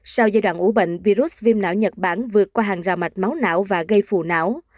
sau giai đoạn ủ bệnh virus viêm não nhật bản vượt qua hàng rào mạch máu não và gây phù não